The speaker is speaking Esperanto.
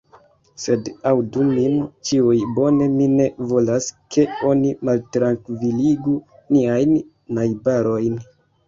Sed aŭdu min ĉiuj bone: mi ne volas, ke oni maltrankviligu niajn najbarojn.